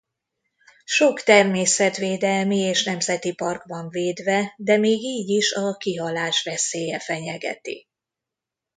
Sok természetvédelmi és nemzeti parkban védve de még így is a kihalás veszélye fenyegeti.